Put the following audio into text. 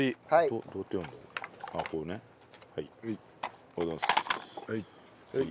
ありがとうございます。